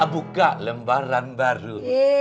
buka lembaran baru